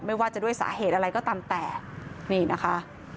ไม่ว่าจะด้วยสาเหตุอะไรก็ตามแต่นี่นะคะ